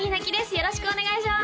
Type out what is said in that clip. よろしくお願いします